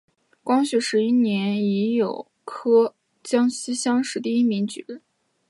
光绪十一年乙酉科江西乡试第一名举人。